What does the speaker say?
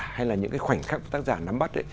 hay là những khoảnh khắc tác giả nắm bắt